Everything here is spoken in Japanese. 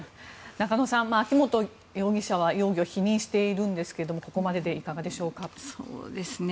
中野さん、秋本容疑者は容疑を否認しているんですけどもここまででいかがでしょうか？